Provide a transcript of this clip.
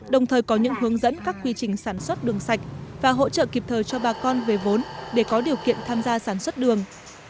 đồng thời có những hướng dẫn các quy trình sản xuất đường sạch và hỗ trợ kịp thời cho bà con về vốn để có điều kiện tham gia sản xuất đường